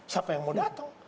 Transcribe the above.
siapa yang mau datang